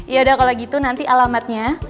yaudah kalau gitu nanti alamatnya